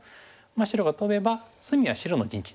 白がトベば隅は白の陣地になります。